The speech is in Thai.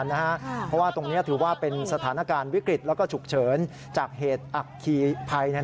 เพราะว่าตรงนี้ถือว่าเป็นสถานการณ์วิกฤตแล้วก็ฉุกเฉินจากเหตุอัคคีภัย